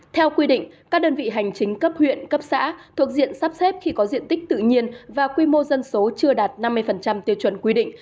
theo quy định các đơn vị hành chính cấp huyện cấp xã thuộc diện sắp xếp khi có diện tích tự nhiên và quy mô dân số chưa đạt năm mươi tiêu chuẩn quy định